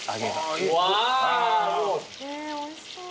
えーおいしそう